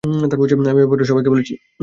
আমি এ ব্যাপারে সবাইকে বলেছি।